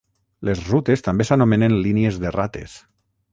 Les rutes també s'anomenen línies de rates.